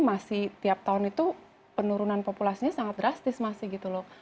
masih tiap tahun itu penurunan populasinya sangat drastis masih gitu loh